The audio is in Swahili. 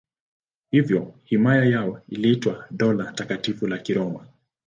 Hivyo himaya yao iliitwa Dola Takatifu la Kiroma.